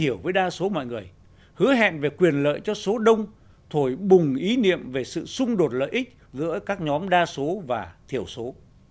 hiểu với đa số mọi người hứa hẹn về quyền lợi cho số đông thổi bùng ý niệm về sự xung đột lợi ích giữa các nhóm đa số và thiểu số